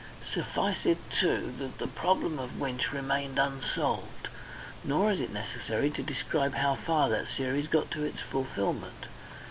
Suffice it, too, that the problem of Winch remained unsolved. Nor is it necessary to describe how far that series got to its fulfilment.